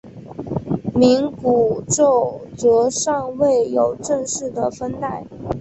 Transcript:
冥古宙则尚未有正式的分代。